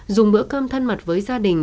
dùng bữa cơm thân mặt với gia đình